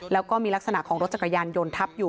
แล้วก็มีลักษณะของรถจังกายันยนทรัพย์อยู่